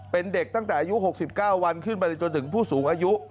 เป็นเด็กตั้งแต่อายุ๖๙วันขึ้นไปจนถึงผู้สูงอายุ